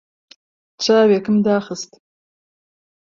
چاوێکم داخست.